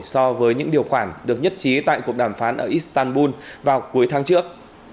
so với những điều khoản được nhất trí tại cuộc đàm phán ở istanbul vào cuối tháng trước